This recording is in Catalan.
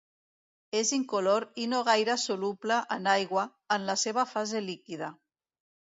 És incolor i no gaire soluble en aigua en la seva fase líquida.